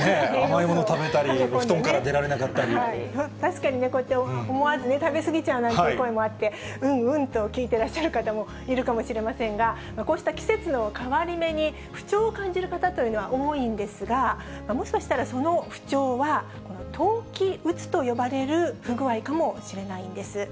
甘いもの食べたり、確かにね、思わず食べ過ぎちゃうなんて声もあって、うんうんと聞いてらっしゃる方もいるかもしれませんが、こうした季節の変わり目に不調を感じる方というのは多いんですが、もしかしたらその不調は冬季うつと呼ばれる不具合かもしれないんです。